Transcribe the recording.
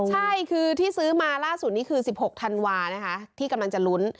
ใช่คือที่ซื้อมาล่าสุดนี้คือ๑๖ธันวานะคะที่กำลังจะลุ้น